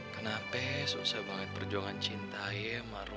kenapa susah banget perjuangan cinta ya maru